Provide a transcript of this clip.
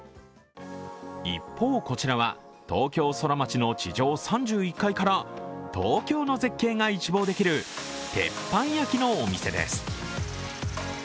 一方、こちらは東京ソラマチの地上３１階から東京の絶景が一望できる鉄板焼きのお店です。